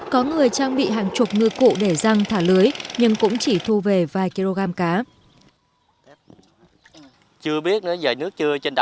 có người trang bị hàng chục ngư cụ để răng thả lưới nhưng cũng chỉ thu về vài kg cá